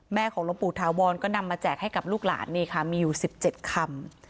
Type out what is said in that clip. ของหลวงปู่ถาวรก็นำมาแจกให้กับลูกหลานนี่ค่ะมีอยู่๑๗คำ